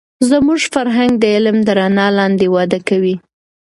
زموږ فرهنگ د علم د رڼا لاندې وده کوي.